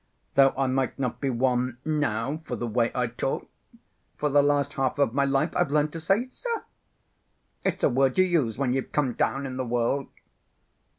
Though I might not be one now for the way I talk; for the last half of my life I've learnt to say 'sir.' It's a word you use when you've come down in the world."